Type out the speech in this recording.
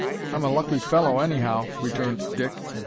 "I'm a lucky fellow, anyhow," returned Dick.